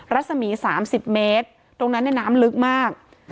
รัศมีสามสิบเมตรตรงนั้นน้ำน้ำลึกมาก